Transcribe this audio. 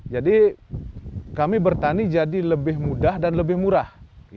jadi kami bertani jadi lebih mudah dan lebih murah